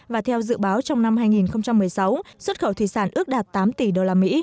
và theo dự báo trong năm hai nghìn một mươi sáu xuất khẩu thủy sản ước đạt tám tỷ usd